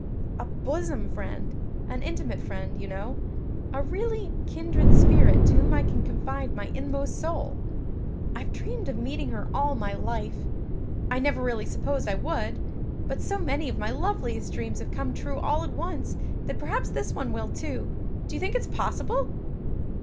"A bosom friend an intimate friend, you know a really kindred spirit to whom I can confide my inmost soul. I've dreamed of meeting her all my life. I never really supposed I would, but so many of my loveliest dreams have come true all at once that perhaps this one will, too. Do you think it's possible?"